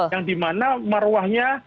yang dimana maruahnya